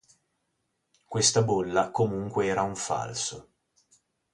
Questa bolla comunque era un falso.